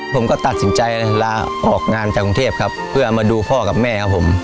ผมก็ตัดสินใจลาออกงานจากกรุงเทพครับเพื่อมาดูพ่อกับแม่ครับผม